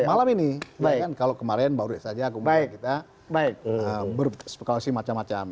malam ini kalau kemarin baru saja kemudian kita berspektasi macam macam